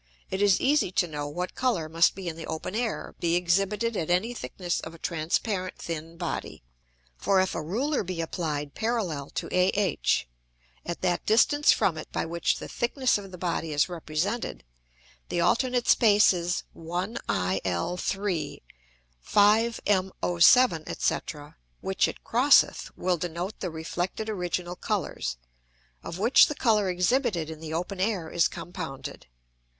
it is easy to know what Colour must in the open Air be exhibited at any thickness of a transparent thin Body. For if a Ruler be applied parallel to AH, at that distance from it by which the thickness of the Body is represented, the alternate Spaces 1IL3, 5MO7, &c. which it crosseth will denote the reflected original Colours, of which the Colour exhibited in the open Air is compounded.